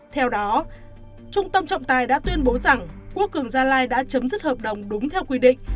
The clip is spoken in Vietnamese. theo đó trung tâm trọng tài đã tuyên bố rằng quốc cường gia lai đã chấm dứt hợp đồng đúng theo quy định